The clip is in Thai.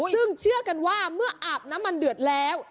ซึ่งเชื่อกันว่าเมื่ออาบน้ำมันเดือดแล้ว